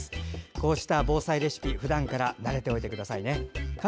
こうした防災レシピ、ふだんから慣れておいてくださいね。